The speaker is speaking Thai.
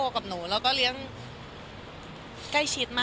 ค่ะ